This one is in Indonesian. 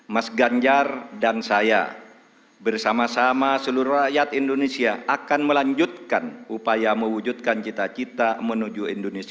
mas ganjar dan saya bersama sama seluruh rakyat indonesia akan melanjutkan upaya mewujudkan cita cita menuju indonesia